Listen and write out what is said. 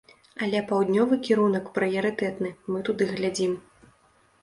Але паўднёвы кірунак прыярытэтны, мы туды глядзім.